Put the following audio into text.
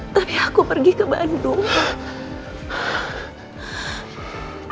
tapi aku pergi ke bandung